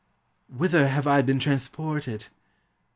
Whither have I been transported?